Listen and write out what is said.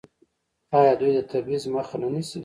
آیا دوی د تبعیض مخه نه نیسي؟